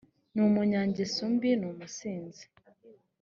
ni umunyangeso mbi n’umusinzi!»